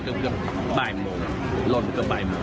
จึงไม่ได้เอดในแม่น้ำ